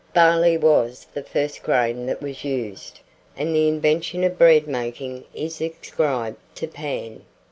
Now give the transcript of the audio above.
Barley was the first grain that was used, and the invention of bread making is ascribed to Pan.